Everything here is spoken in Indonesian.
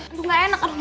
aduh gak enak